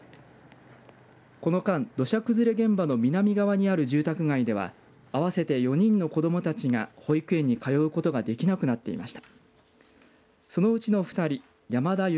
この間、土砂崩れ現場の南側にある住宅街では合わせて４人の子どもたちが保育園に通うことができなくなっていました。